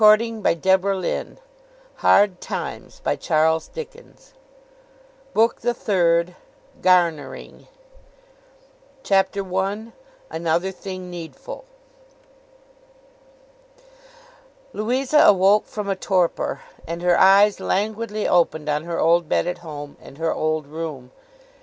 END OF THE SECOND BOOK BOOK THE THIRD GARNERING CHAPTER I ANOTHER THING NEEDFUL LOUISA awoke from a torpor, and her eyes languidly opened on her old bed at home, and her old room.